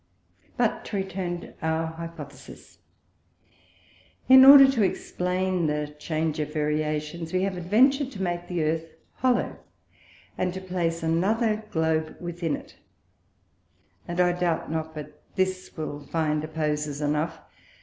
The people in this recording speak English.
But to return to our Hypothesis, In order to explain the Change of the Variations, we have adventur'd to make the Earth hollow, and to place another Globe within it; and I doubt not but this will find Opposers enough.